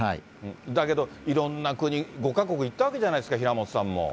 だけどいろんな国、５か国行ったわけじゃないですか、平本さんも。